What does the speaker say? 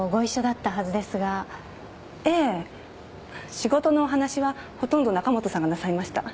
仕事のお話はほとんど中本さんがなさいました。